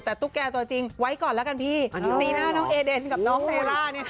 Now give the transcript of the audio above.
แต่ตุ๊กแก่ตัวจริงไว้ก่อนแล้วกันพี่สีหน้าน้องเอเดนกับน้องเซล่าเนี่ย